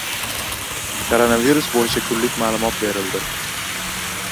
Koronavirus bo‘yicha kunlik ma’lumot berildi